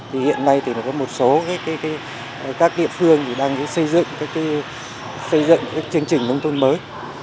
hiện nay thì có một số các địa phương đang xây dựng các chương trình nông thôn mới